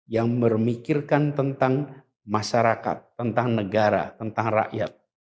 yang memikirkan tentang masyarakat tentang negara tentang rakyat